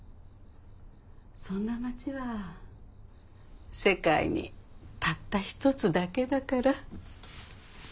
そんな町は世界にたったひとつだけだから。